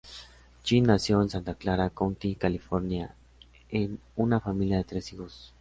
Jin nació en Santa Clara County, California, en una familia de tres hijos.